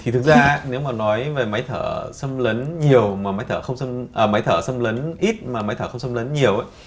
thì thực ra nếu mà nói về máy thở xâm lấn ít mà máy thở không xâm lấn nhiều